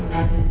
udah bener tuh